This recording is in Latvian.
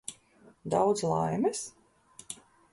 Daudz laimes?